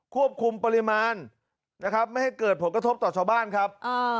ควบคุมปริมาณนะครับไม่ให้เกิดผลกระทบต่อชาวบ้านครับ